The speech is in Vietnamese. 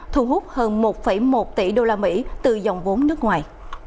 thu hút hơn một một tỷ đô la mỹ từ dòng vốn nước ngoài